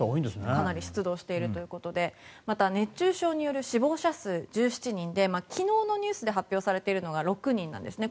かなり出動しているということでまた、熱中症による死亡者数１７人で昨日のニュースで発表されているのが６人なんですね。